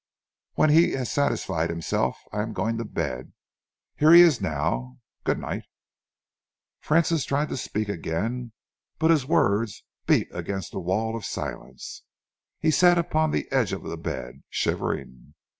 "When he has satisfied himself, I am going to bed. He is here now. Good night!" Francis tried to speak again but his words beat against a wall of silence. He sat upon the edge of the bed, shivering.